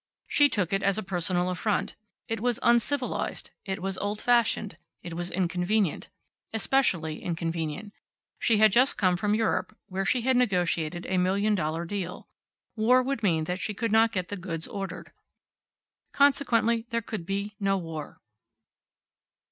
She took it as a personal affront. It was uncivilized, it was old fashioned, it was inconvenient. Especially inconvenient. She had just come from Europe, where she had negotiated a million dollar deal. War would mean that she could not get the goods ordered. Consequently there could be no war.